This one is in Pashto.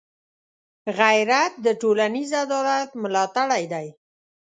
غیرت د ټولنيز عدالت ملاتړی دی